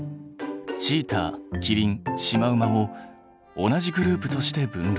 チーターキリンシマウマを同じグループとして分類。